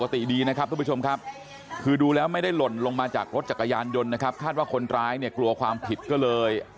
ดีนะครับทุกผู้ชมครับคือดูแล้วไม่ได้หล่นลงมาจากรถจักรยานยนต์นะครับคาดว่าคนร้ายเนี่ยกลัวความผิดก็เลย